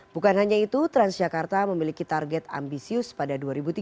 bukan hanya itu transjakarta memiliki target ambisius pada dua ribu tiga puluh